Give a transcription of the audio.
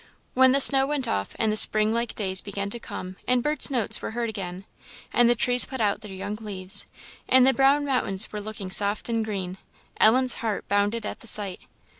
When the snow went off, and spring like days began to come, and birds' notes were heard again, and the trees put out their young leaves, and the brown mountains were looking soft and green, Ellen's heart bounded at the sight.